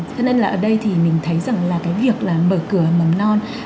cho nên là ở đây thì mình thấy rằng là cái việc là mở cửa mầm non